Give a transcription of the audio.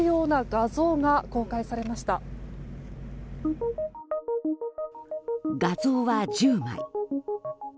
画像は１０枚。